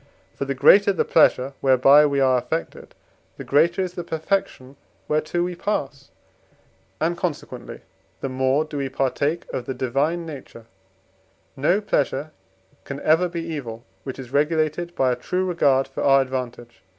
For the greater the pleasure whereby we are affected, the greater is the perfection whereto we pass, and consequently the more do we partake of the divine nature: no pleasure can ever be evil, which is regulated by a true regard for our advantage.